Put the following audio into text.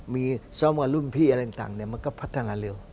มีซ้อมกับรุ่นพี่อะไรต่างมันก็พัฒนาเร็ว